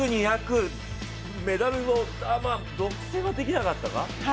１００、２００メダルを独占はできなかったか？